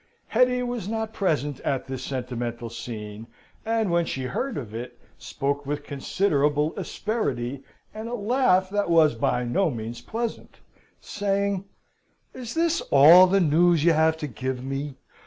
Hetty was not present at this sentimental scene, and when she heard of it, spoke with considerable asperity, and a laugh that was by no means pleasant, saying: "Is this all the news you have to give me?